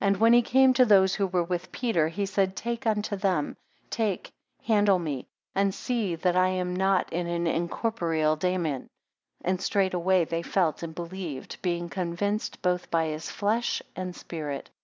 10 And when he came to those who were with Peter, he said unto them, Take, handle me, and see that I am not an incorporeal daemon. And straightway they felt and believed; being convinced both by his flesh and spirit.